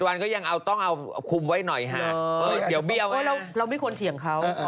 วันก็ยังเอาต้องเอาคุมไว้หน่อยฮะเดี๋ยวเบี้ยวเราไม่ควรเถียงเขา